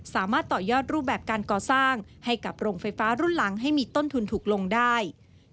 สามารถต่อยอดรูปแบบการก่อสร้างให้กับโรงไฟฟ้ารุ่นหลังให้มีต้นทุนถูกลงได้